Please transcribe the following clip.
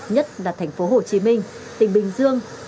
nhất là thành phố hồ chí minh tỉnh bình dương